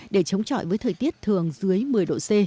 để chống chọi với thời tiết thường dưới một mươi độ c